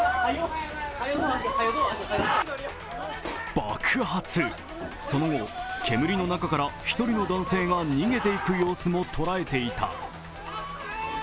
爆発、その後、煙の中から一人の男性が逃げていく様子も捉えていた。